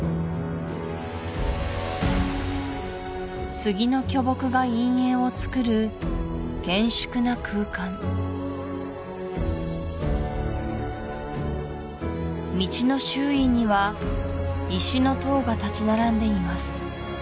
杉の巨木が陰影を作る厳粛な空間道の周囲には石の塔が立ち並んでいます